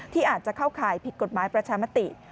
ที่อาจจะเข้าข่ายผิดกฎหมายประชามติ